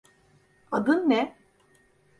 Adin ne?